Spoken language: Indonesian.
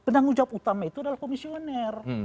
penanggung jawab utama itu adalah komisioner